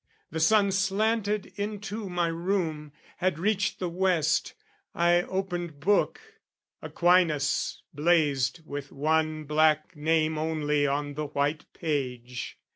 The sun slanted into my room, had reached The west. I opened book, Aquinas blazed With one black name only on the white page.